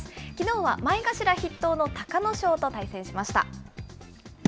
きのうは前頭筆頭の隆の勝と対戦しました。